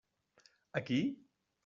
Aquí?